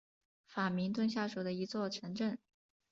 法明顿下属的一座城镇。